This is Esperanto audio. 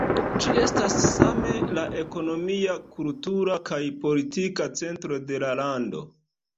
Ĝi estas same la ekonomia, kultura kaj politika centro de la lando.